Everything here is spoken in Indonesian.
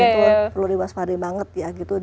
itu perlu dibuat sepadi banget ya gitu